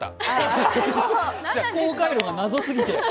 思考回路が謎すぎて。